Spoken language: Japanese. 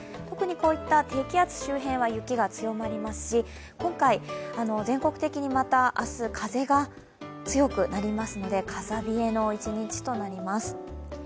特に低気圧周辺は雪が強まりますし今回、全国的にまた明日、風が強くなりますので、風冷えの一日となります。